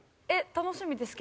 楽しみですけど。